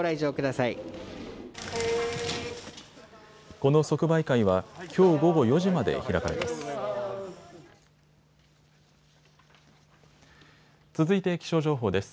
この即売会はきょう午後４時まで開かれます。